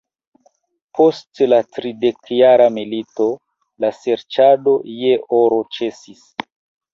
Post la Tridekjara milito la serĉado je oro ĉesis.